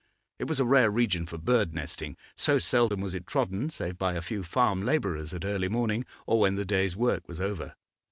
It was a rare region for bird nesting, so seldom was it trodden save by a few farm labourers at early morning or when the day's work was over.